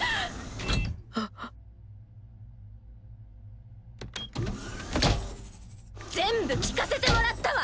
ピッ全部聞かせてもらったわ。